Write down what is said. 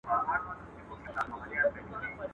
ښه دی چي جواب له خپله ځانه سره یو سمه.